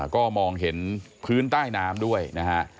ก็มองเห็นพื้นใต้น้ำด้วยนะฮะ